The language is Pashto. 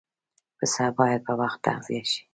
پسه باید په وخت تغذیه شي.